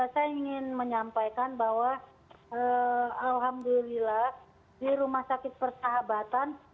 saya ingin menyampaikan bahwa alhamdulillah di rumah sakit persahabatan